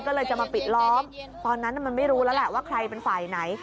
ก็เลยจะมาปิดล้อมตอนนั้นมันไม่รู้แล้วแหละว่าใครเป็นฝ่ายไหน